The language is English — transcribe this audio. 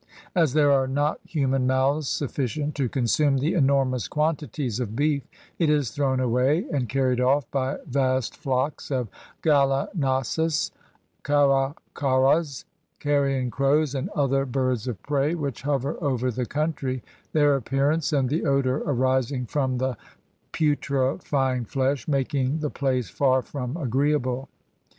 As there are not human mouths sufficient to consume the enormous quantities of beef, it is thrown away and carried off by vast flocks of gallinasos, caracaras, carrion crows, and other birds of prey, which hover over the country, their appearance and the odour arising from the putrefying flesh making the place far from agreeable.